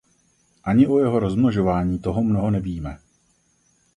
Ani o jeho rozmnožování toho mnoho nevíme.